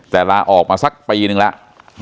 แต่ลาออกมาสักปีนึงแล้ว